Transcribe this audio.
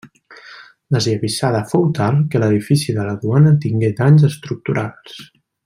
L'esllavissada fou tal que l'edifici de la duana tingué danys estructurals.